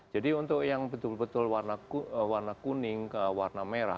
jadi untuk yang betul betul warna kuning ke warna merah